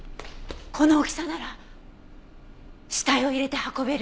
この大きさなら死体を入れて運べる。